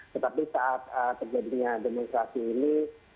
tetapi saat terjadinya demonstrasi ini